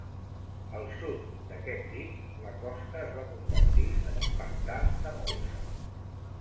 Al sud d'aquest dic, la costa es va convertir en una pantà de molsa.